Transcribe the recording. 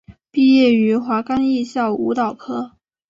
毕业于华冈艺校舞蹈科。